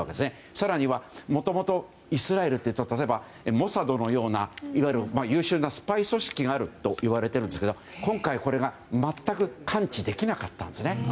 更には、もともとイスラエルって例えば、モサドのようないわゆる優秀なスパイ組織があるといわれているんですけど今回、これが全く感知できなかったんですね。